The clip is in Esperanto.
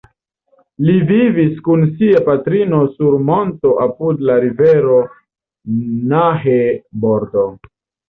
Li vivis kun sia patrino sur monto apud la rivero Nahe-bordo.